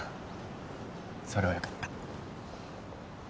それはよかった